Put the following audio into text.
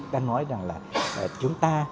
đang nói rằng là chúng ta